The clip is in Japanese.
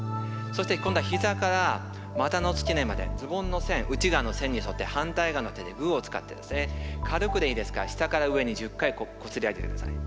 そして今度は膝から股の付け根までズボンの線内側の線に沿って反対側の手でグーを使って軽くでいいですから下から上に１０回こすり上げてください。